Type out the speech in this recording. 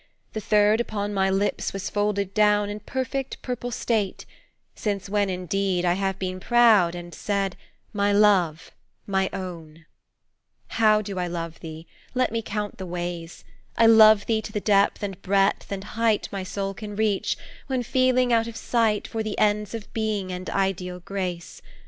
The third upon my lips was folded down In perfect, purple state; since when, indeed, I have been proud and said, 'My love, my own!' How do I love thee? Let me count the ways, I love thee to the depth and breadth and height My soul can reach, when feeling out of sight For the ends of being and ideal Grace.